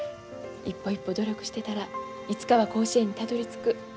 一歩一歩努力してたらいつかは甲子園にたどりつく。